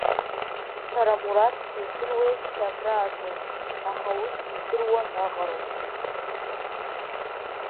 Сара Мураҭ дыздыруеижьҭеи акрааҵуан, аха ус дыздыруан аҟароуп.